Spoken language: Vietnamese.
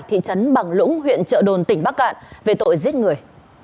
thị trấn bằng lũng huyện trợ đồn tỉnh bắc cạn về tội giết người